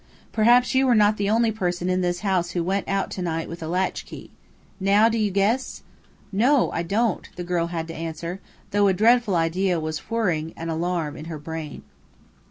Perhaps you were not the only person in this house who went out to night with a latchkey. Now do you guess?" "No, I don't," the girl had to answer, though a dreadful idea was whirring an alarm in her brain.